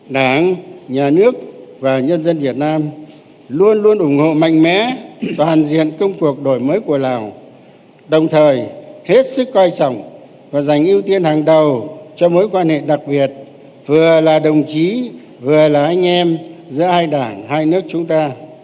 đảng nhà nước và nhân dân việt nam luôn luôn ủng hộ mạnh mẽ toàn diện công cuộc đổi mới của lào đồng thời hết sức coi trọng và dành ưu tiên hàng đầu cho mối quan hệ đặc biệt vừa là đồng chí vừa là anh em giữa hai đảng hai nước chúng ta